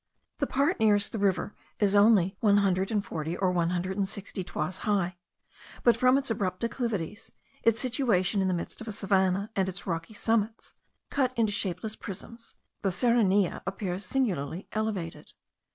The part nearest the river is only one hundred and forty or one hundred and sixty toises high; but from its abrupt declivities, its situation in the midst of a savannah, and its rocky summits, cut into shapeless prisms, the Serrania appears singularly elevated.